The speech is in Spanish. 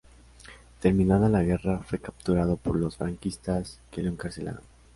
Terminada la guerra, fue capturado por los franquistas, que lo encarcelaron.